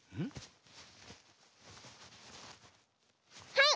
はい！